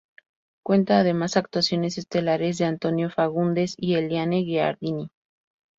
Cuenta además actuaciones estelares de Antônio Fagundes y Eliane Giardini.